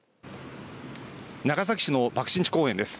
長崎市の爆心地公園です。